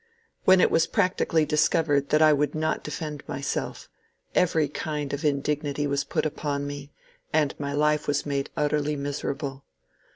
When it was practically discovered that I would not defend myself, every kind of indignity was put upon me, and my life was made utterly miserable.